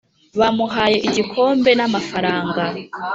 bamuhaye igikombe n'amafaranga